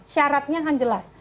syaratnya kan jelas